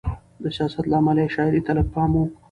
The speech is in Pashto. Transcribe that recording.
د سیاست له امله یې شاعرۍ ته لږ پام و.